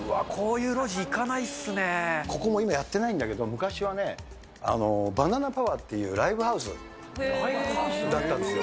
うわ、ここも今、やってないんだけど、昔はね、バナナパワーっていうライブハウスだったんですよ。